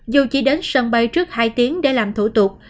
dù chỉ đến sân bay trước hai tiếng để làm thủ tục